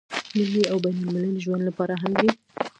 ملي او بين المللي ژوند لپاره هم دی.